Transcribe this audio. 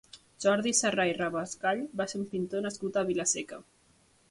Jordi Sarrà i Rabascall va ser un pintor nascut a Vila-seca.